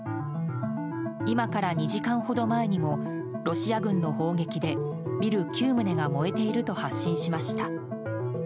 今から２時間ほど前にもロシア軍の砲撃でビル９棟が燃えていると発信しました。